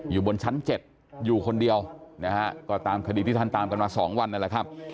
อยู่บนชั้น๗อยู่คนเดียวนะฮะก็ตามคดีที่ท่านตามกันมา๒วันนั่นแหละครับ